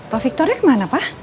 pak victor nya kemana pak